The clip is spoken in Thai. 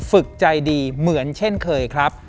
ฝึกใจดีเหมือนเช่นเคยครับ